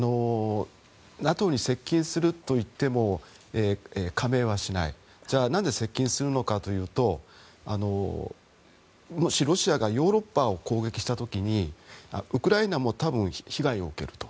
ＮＡＴＯに接近するといっても加盟はしない、じゃあなぜ接近するのかというともしロシアがヨーロッパを攻撃した時にウクライナも多分被害を受けると。